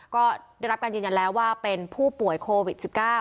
ก็ได้รับการยืนยันแล้วว่าเป็นผู้ป่วยโควิด๑๙